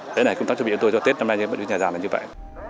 thế này công tác chuẩn bị của tôi cho tết năm nay với nhà giàn là như vậy